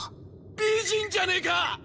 美人じゃねえか！